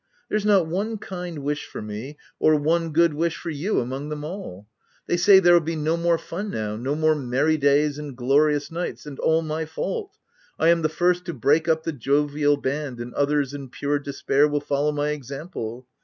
There's not one kind wish for me, or one good word for you among thejn all. They say there'll be no more fun now, no more merry days and glorious nights — and all my fault — I am the first to break up the jovial band, and others in pure despair, will follow my example.